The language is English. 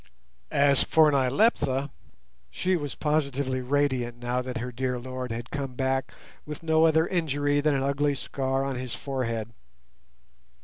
As for Nyleptha, she was positively radiant now that "her dear lord" had come back with no other injury than an ugly scar on his forehead.